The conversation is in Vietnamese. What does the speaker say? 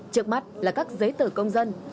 trước mắt là các giấy tờ công dân